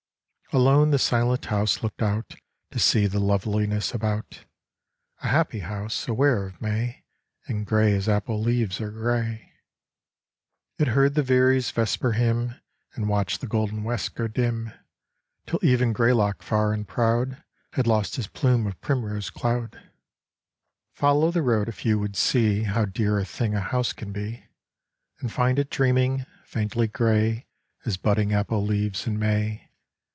Alone the silent house looked out To see the loveliness about, A happy house, aware of May, And gray as apple leaves are gray. It heard the veery's vesper hymn, And watched the golden west go dim, Till even Greylock far and proud Had lost his plume of primrose cloud. 15 Journey's End Follow the road if you would see How dear a thing a house can be, And find it dreaming, faintly gray As budding apple leaves in May.